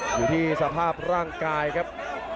อยู่ที่สภาพร่างกายครับ